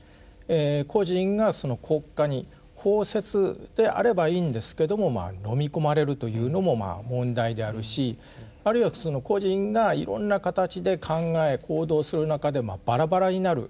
個人が国家に包摂であればいいんですけどものみ込まれるというのも問題であるしあるいはその個人がいろんな形で考え行動する中でバラバラになる。